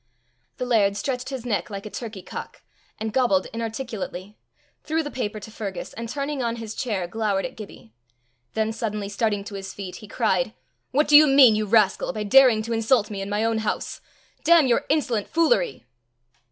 The laird stretched his neck like a turkeycock, and gobbled inarticulately, threw the paper to Fergus, and turning on his chair, glowered at Gibbie. Then suddenly starting to his feet, he cried, "What do you mean, you rascal, by daring to insult me in my own house? Damn your insolent foolery!"